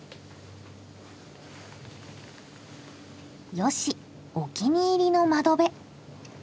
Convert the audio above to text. ヨシお気に入りの窓辺。